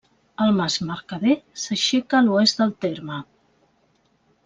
El mas Mercader s'aixeca a l'oest del terme.